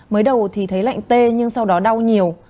mới đầu thì thấy lạnh tê nhưng sau đó đau nhiều